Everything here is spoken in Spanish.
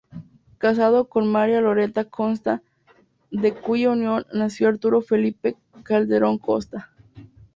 Casado con María Loretta Costa, de cuya unión nació Arturo Felipe Calderón Costa.